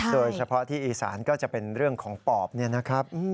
โดยเฉพาะที่อีสานก็จะเป็นเรื่องของปอบเนี่ยนะครับ